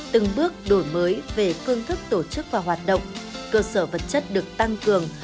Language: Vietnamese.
từng bước đổi mới về phương thức tổ chức và hoạt động cơ sở vật chất được tăng cường